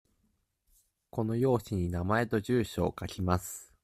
この用紙に名前と住所を書きます。